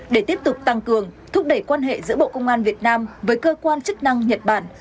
để tiếp tục tăng cường thúc đẩy quan hệ giữa bộ công an việt nam với cơ quan chức năng nhật bản